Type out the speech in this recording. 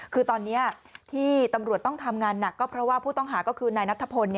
คือตอนนี้ที่ตำรวจต้องทำงานหนักก็เพราะว่าผู้ต้องหาก็คือนายนัทพล